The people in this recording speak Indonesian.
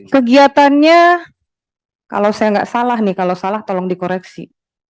kegiatannya kalau saya nggak salah nih kalau salah tolong dikoreksi